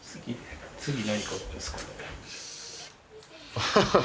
ハハハハ。